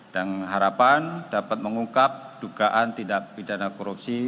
dan harapan dapat mengungkap dugaan tidak benda dan korupsi